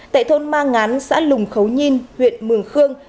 tại thôn ma ngán xã lùng khấu nhin huyện mường khương